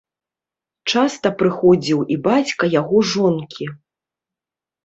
Часта прыходзіў і бацька яго жонкі.